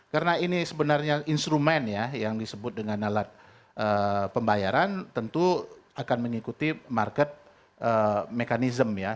karena ini sebenarnya instrumen ya yang disebut dengan alat pembayaran tentu akan mengikuti market mechanism ya